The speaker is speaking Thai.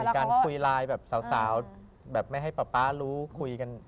มีการคุยไลน์แบบสาวแบบไม่ให้ป๊ารู้คุยกันอะไรอย่างนี้ครับ